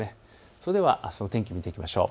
それではあすの天気を見ていきましょう。